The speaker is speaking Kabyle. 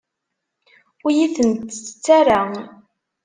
Ur iyi-tent-ttett ara.